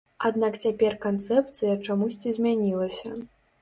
Аднак цяпер канцэпцыя чамусьці змянілася.